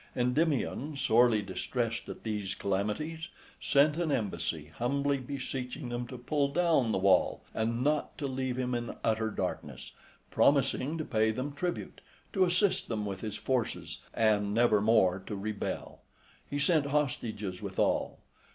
Endymion, sorely distressed at these calamities, sent an embassy, humbly beseeching them to pull down the wall, and not to leave him in utter darkness, promising to pay them tribute, to assist them with his forces, and never more to rebel; he sent hostages withal.